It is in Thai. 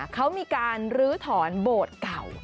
เขามีการลื้อถอนโบสถ์เก่า